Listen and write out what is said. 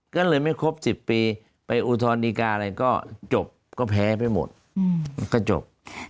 ก็เลยไม่ครบ๑๐ปีไปอุทธรณดีการอะไรก็จบก็แพ้ไปหมดก็จบ